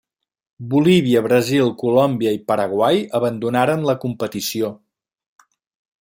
Bolívia, Brasil, Colòmbia i Paraguai abandonaren la competició.